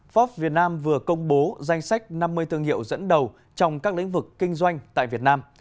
forbes việt nam vừa công bố danh sách năm mươi thương hiệu dẫn đầu trong các lĩnh vực kinh doanh tại việt nam